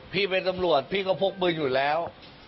พี่เป็นตำรวจพี่ก็พกมืออยู่แล้ว